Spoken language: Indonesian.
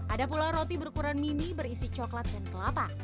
ada pula roti berukuran mini berisi coklat dan kelapa